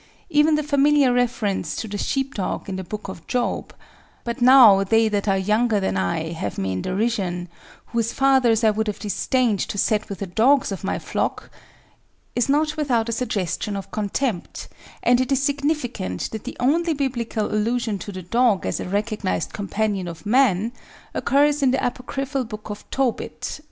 Even the familiar reference to the Sheepdog in the Book of Job "_But now they that are younger than I have me in derision, whose fathers I would have disdained to set with the dogs of my flock_" is not without a suggestion of contempt, and it is significant that the only biblical allusion to the dog as a recognised companion of man occurs in the apocryphal Book of Tobit (v.